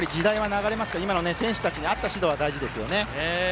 今の選手たちに合った指導が大事ですよね。